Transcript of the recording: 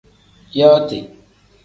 Yooti.